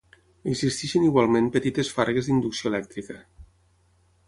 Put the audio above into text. Existeixen igualment petites fargues d'inducció elèctrica.